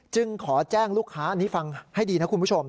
ขอแจ้งลูกค้าอันนี้ฟังให้ดีนะคุณผู้ชม